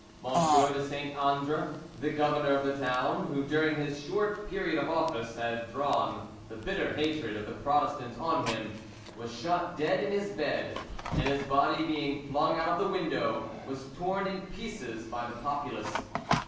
M. de St. Andre, the governor of the town, who during his short period of office had drawn the bitter hatred of the Protestants on him, was shot dead in his bed, and his body being flung out of the window, was torn in pieces by the populace.